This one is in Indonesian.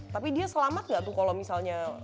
tapi dia selamat gak tuh kalau misalnya